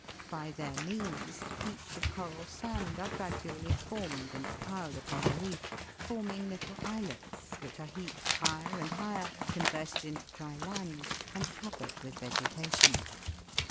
By their means heaps of coral sand are gradually formed and piled upon the reef, forming little islets which are heaped higher and higher, converted into dry land, and covered with vegetation.